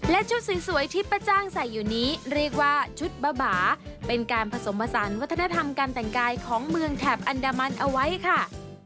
และชุดสวยที่ป้าจ้างใส่อยู่นี้เรียกว่าชุดบ้าบาเป็นการผสมผสานวัฒนธรรมการแต่งกายของเมืองแถบอันดามันเอาไว้ค่ะ